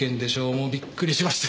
もうびっくりしまして。